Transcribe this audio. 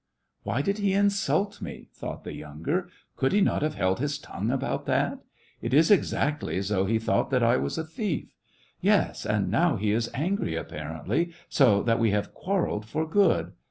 *' Why did he insult me ?" thought the younger. " Could he not have held his tongue about that .? It is exactly as though he thought that I was a thief; yes, and now he is angry, apparently, so that we have quarrelled for good.